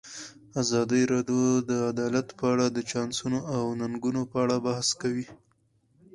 ازادي راډیو د عدالت په اړه د چانسونو او ننګونو په اړه بحث کړی.